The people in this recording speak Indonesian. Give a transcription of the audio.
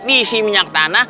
diisi minyak tanah